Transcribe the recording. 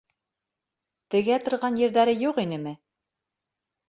Тегә торған ерҙәре юҡ инеме?